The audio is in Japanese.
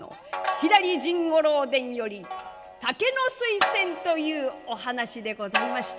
左甚五郎伝より「竹の水仙」というお話でございました。